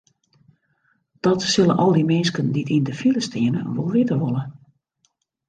Dat sille al dy minsken dy't yn de file stean wol witte wolle.